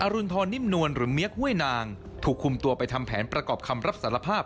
รุณฑรนิ่มนวลหรือเมียกห้วยนางถูกคุมตัวไปทำแผนประกอบคำรับสารภาพ